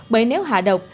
bởi nếu hạ độc